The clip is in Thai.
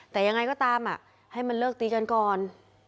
แต่ยังไงก็ตามให้มันเลิกตีกันก่อน